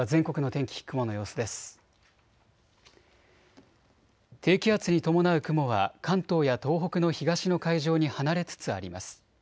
低気圧に伴う雲は関東や東北の東の海上に離れつつあります。